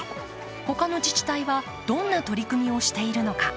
他の自治体は、どんな取り組みをしているのか。